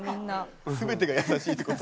全てが優しいってこと？